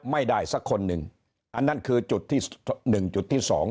ไม่ได้สักคนนึงอันนั้นคือจุดที่๑จุดที่๒